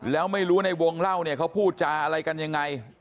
แล้วไม่รู้ในวงเล่าเนี่ยเขาพูดจาอะไรกันยังไง